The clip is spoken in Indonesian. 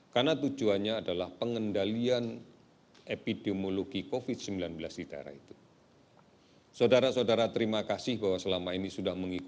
karena tujuannya adalah pengendalian epidemiologi